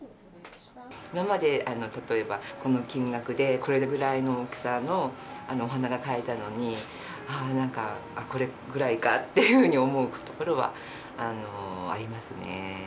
今まで例えばこの金額で、これぐらいの大きさのお花が買えたのに、ああ、なんかこれぐらいかというふうに思うところはありますね。